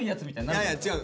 いやいや違うの。